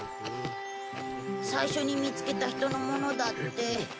最初に見つけた人のものだって。